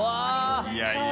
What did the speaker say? いやいや。